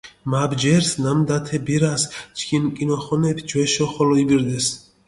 მა ბჯერს, ნამდა თე ბირას ჩქინ კჷნოხონეფი ჯვეშო ხოლო იბირდეს.